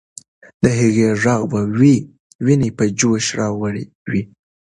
د هغې ږغ به ويني په جوش راوړلې وې.